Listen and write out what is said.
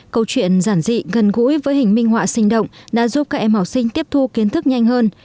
câu chuyện giản dị gần gũi với hình minh họa sinh động đã giúp các em học sinh tiếp thu kiến thức nhanh hơn